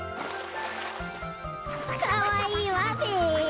かわいいわべ！